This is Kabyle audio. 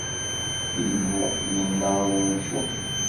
Illu yenna i umcum.